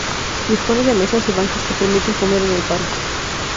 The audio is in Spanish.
Dispone de mesas y bancos que permiten comer en el parque.